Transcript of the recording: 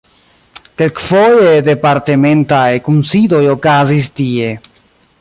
Kelkfoje departementaj kunsidoj okazis tie.